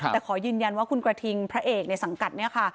แต่ขอยืนยันว่าคุณกระทิงพระเอกในสังกัดเนี่ยค่ะ